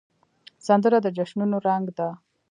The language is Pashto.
سندره د جشنونو رنګ ده